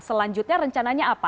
selanjutnya rencananya apa